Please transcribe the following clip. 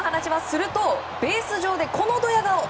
すると、ベース上でこのドヤ顔！